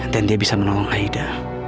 dan dia bisa menolong aida